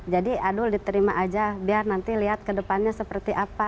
jadi adul diterima aja biar nanti lihat kedepannya seperti apa